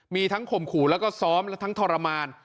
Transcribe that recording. มีทั้งข่มขู่แล้วก็ซ้อมและทั้งทรมาน